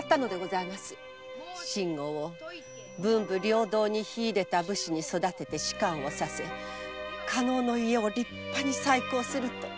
信吾を文武両道に秀でた武士に育てて仕官をさせ加納の家を立派に再興すると。